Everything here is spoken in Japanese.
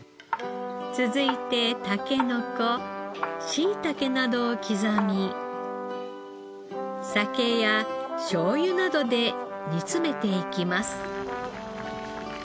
続いてタケノコしいたけなどを刻み酒やしょうゆなどで煮詰めていきます。